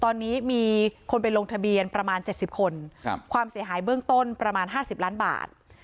ตอนนี้มีคนเป็นโรงทะเบียนประมาณเจ็ดสิบคนครับความเสียหายเบื้องต้นประมาณห้าสิบล้านบาท